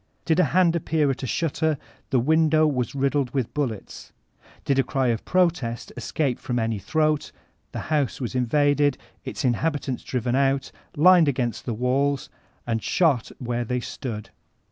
Did a hand appear at a shutter, the window was riddled with bullets. Did a cry of protest escape from any throat, the house was invaded, its in habitants driven out. lined against the walls, and shot where they stood.